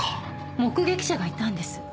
目撃者がいたんです。